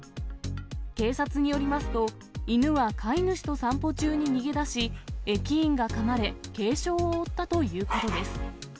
警察によりますと、犬は飼い主と散歩中に逃げ出し、駅員がかまれ、軽傷を負ったということです。